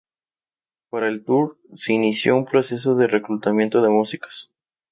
Para el tour, se inició un proceso de reclutamiento de músicos.